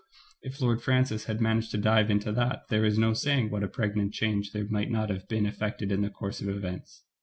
If Lord Francis had managed to dive into that, there is no saying what a pregnant change there might not have been effected in the course of events.